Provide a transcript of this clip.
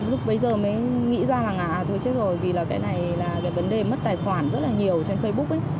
lúc bấy giờ mới nghĩ ra rằng là à thôi chứ rồi vì là cái này là cái vấn đề mất tài khoản rất là nhiều trên facebook ấy